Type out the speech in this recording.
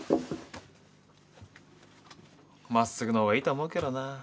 真っすぐの方がいいと思うけどな。